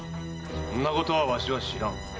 そんなことはわしは知らん。